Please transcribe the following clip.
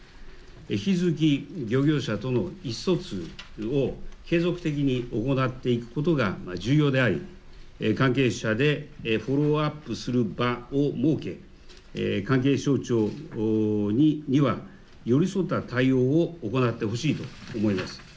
引き続き漁業者との意思疎通を継続的に行っていくことが重要であり関係者でフォローアップする場を設け、関係省庁には寄り添った対応を行ってほしいと思います。